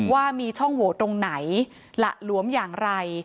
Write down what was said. ว่ามีช่องโหวตตรงไหนหละหลวมอย่างไร